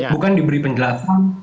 bukan diberi penjelasan